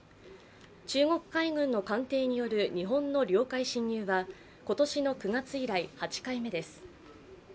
中国海軍の艦艇による日本の領海侵入は今年の９月以来８回目です。